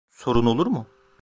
Sorun olur mu?